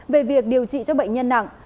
về việc điều trị cho bệnh nhân nặng